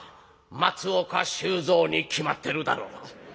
「松岡修造に決まってるだろう。